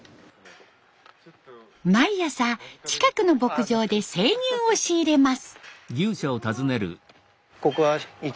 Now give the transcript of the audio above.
毎朝近くの牧場で生乳を仕入れます。